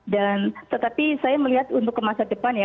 dan tetapi saya melihat untuk ke masa depan ya